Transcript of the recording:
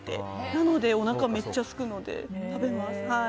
なのでおなかめっちゃすくので食べます。